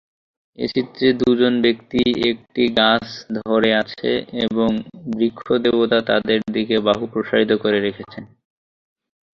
এই চিত্রে দুজন ব্যক্তি একটি গাছ ধরে আছে এবং বৃক্ষ দেবতা তাদের দিকে বাহু প্রসারিত করে রেখেছেন।